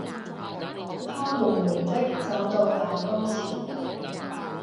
他緩緩的走到蛋糕前